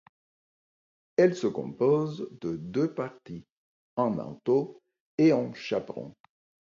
Elle se compose de deux parties, un manteau et un chaperon.